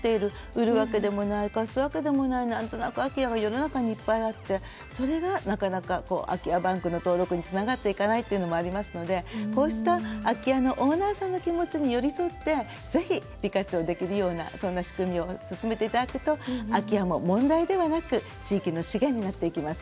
売るわけでもない貸すわけでもない「なんとなく空き家」が世の中にいっぱいあってそれがなかなか空き家バンクの登録につながっていかないというのもありますのでこうした空き家のオーナーさんの気持ちに寄り添ってぜひ利活用できるようなそんな仕組みを進めていただくと空き家も問題ではなく地域の資源になっていきます。